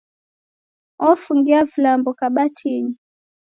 Ofungia vilambo kabatinyi